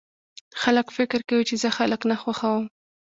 خلک فکر کوي چې زه خلک نه خوښوم